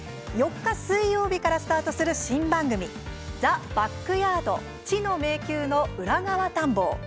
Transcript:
４日、水曜日からスタートする新番組「ザ・バックヤード知の迷宮の裏側探訪」。